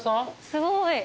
すごい。